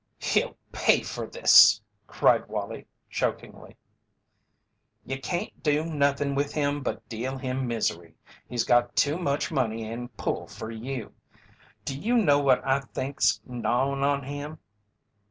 "He'll pay for this!" cried Wallie, chokingly. "You can't do nothin' with him but deal him misery. He's got too much money and pull fer you. Do you know what I think's gnawin' on him?"